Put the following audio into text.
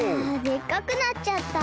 でっかくなっちゃった！